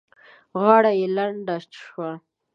غاړه يې لنده شوه.